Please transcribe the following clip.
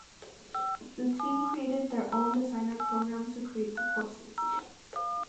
The team created their own designer program to create the courses.